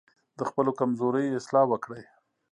د خپلو کمزورۍ اصلاح وکړئ.